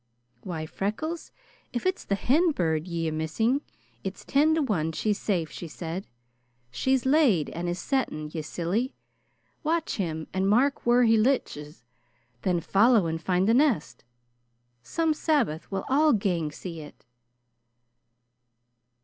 "Why, Freckles, if it's the hen bird ye are missing, it's ten to one she's safe," she said. "She's laid, and is setting, ye silly! Watch him and mark whaur he lichts. Then follow and find the nest. Some Sabbath we'll all gang see it."